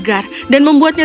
kalian di pantas